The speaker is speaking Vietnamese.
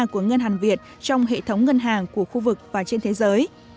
của ngân hàng việt trong hệ thống ngân hàng của khu vực và trên thế giới